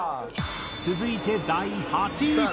続いて第８位。